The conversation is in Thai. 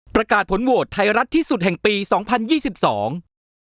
ประกาศผลโหวตไทยรัฐที่สุดแห่งปีสองพันยี่สิบสอง